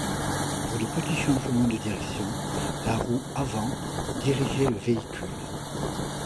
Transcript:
Pour de petits changements de direction, la roue avant dirigeait le véhicule.